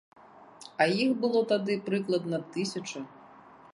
А іх было тады, прыкладна, тысяча.